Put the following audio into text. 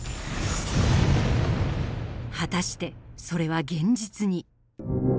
果たしてそれは現実に。